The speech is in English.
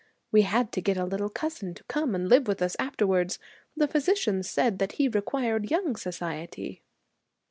We had to get a little cousin to come and live with us afterwards. The physicians said that he required young society.'